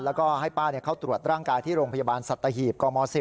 แล้วก็ให้ป้าเข้าตรวจร่างกายที่โรงพยาบาลสัตหีบกม๑๐